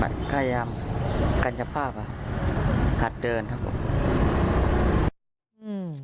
ขาก็กะยำกัญจภาพหัดเดินครับผม